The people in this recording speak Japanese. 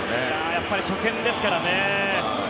やっぱり初見ですからね。